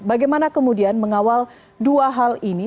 bagaimana kemudian mengawal dua hal ini